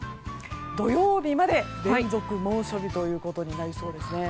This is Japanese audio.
土曜日まで連続猛暑日ということになりそうですね。